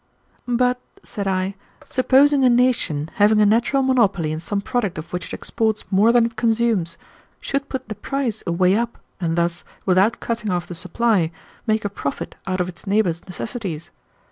"But," said I, "supposing a nation, having a natural monopoly in some product of which it exports more than it consumes, should put the price away up, and thus, without cutting off the supply, make a profit out of its neighbors' necessities?